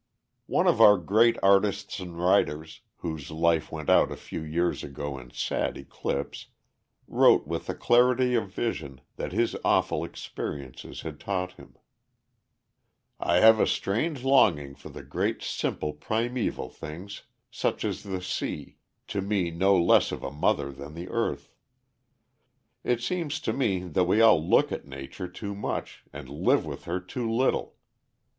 ] One of our great artists and writers, whose life went out a few years ago in sad eclipse, wrote with a clarity of vision that his awful experiences had taught him: "I have a strange longing for the great simple primeval things, such as the sea, to me no less of a mother than the earth. It seems to me that we all look at Nature too much, and live with her too little.